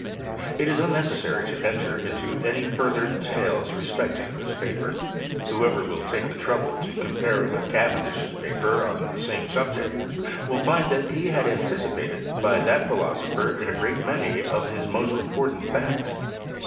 It is unnecessary to enter into any further detail* respecting this paper. Whoever will take the trou ble to compare it with Cavendish's paper on thesama FBOGRStt or CBEMISntT IM SWEDEK. 41 sabjecty will find that lie had been anticipated bj that philoaopher in a great many of his most impwi ant facts.